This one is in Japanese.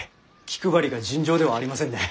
気配りが尋常ではありませんね。